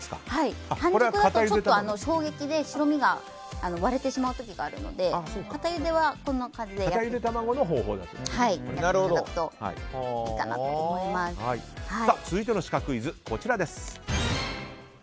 半熟だとちょっと衝撃で白身が割れてしまう時があるので固ゆではこんな感じでやっていただくと続いてのシカクイズこちらです。